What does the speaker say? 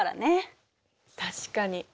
確かに。